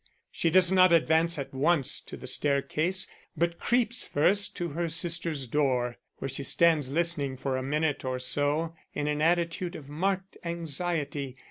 She does not advance at once to the staircase, but creeps first to her sister's door, where she stands listening for a minute or so in an attitude of marked anxiety.